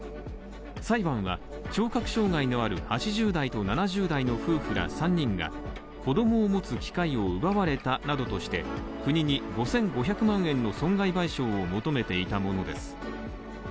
裁判は、聴覚障害のある８０代と７０代の夫婦ら３人が子供を持つ機会を奪われたなどとして国に５５００万円の損害賠償を求めていたものです